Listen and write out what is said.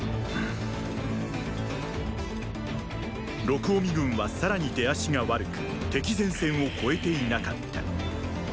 録嗚未軍はさらに出足が悪く敵前線を越えていなかった。